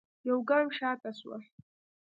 يوګام شاته سوه.